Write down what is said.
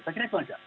saya kira itu saja